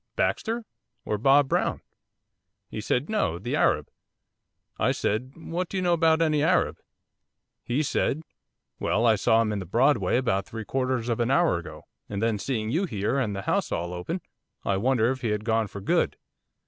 Baxter? or Bob Brown?" He said, "No, the Arab." I said, "What do you know about any Arab?" He said, "Well, I saw him in the Broadway about three quarters of an hour ago, and then, seeing you here, and the house all open, I wondered if he had gone for good."